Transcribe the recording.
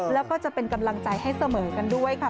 แล้วก็จะเป็นกำลังใจให้เสมอกันด้วยค่ะ